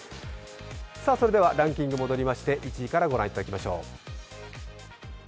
それではランキングに戻りまして、１位からご覧いただきましょう。